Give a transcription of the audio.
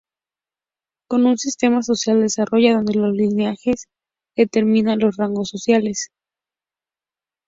Con un sistema social desarrollado donde los linajes determinaban los rangos sociales.